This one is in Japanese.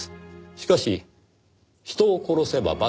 しかし人を殺せば罰を受ける。